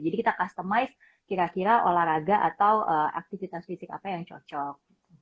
jadi kita customize kira kira olahraga atau aktivitas kritis apa yang cocok